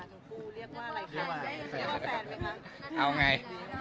ทั้งผู้เรียกว่าอะไรค่ะแฟนไหมคะเอาไง